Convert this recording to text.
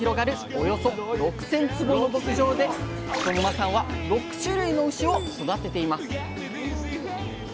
およそ６，０００坪の牧場で磯沼さんは６種類の牛を育てています